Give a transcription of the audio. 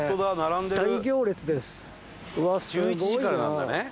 １１時からなんだね。